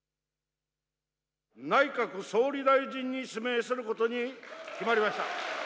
内閣総理大臣に指名することに決まりました。